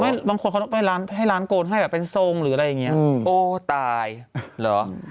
บางคนเขาต้องไปร้านให้ร้านโกนให้แบบเป็นทรงหรืออะไรอย่างเงี้ยโอ้ตายเหรอ